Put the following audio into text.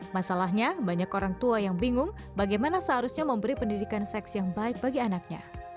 masalahnya banyak orang tua yang bingung bagaimana seharusnya memberi pendidikan seks yang baik bagi anaknya